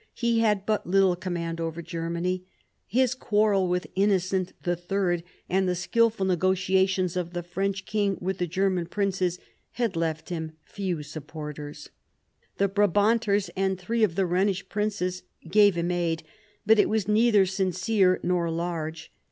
He had but little command over Germany. His quarrel with Innocent III. and the skilful negotiations of the French king with the German princes had left him few sup porters. The Brabanters and three of the Ehenish princes gave him aid, but it was neither sincere nor large.